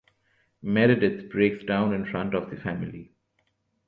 Meredith breaks down in front of the family.